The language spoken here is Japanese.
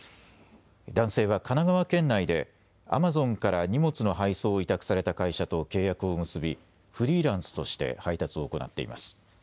男性は神奈川県内でアマゾンから荷物の配送を委託された会社と契約を結び、フリーランスとして配達を行っています。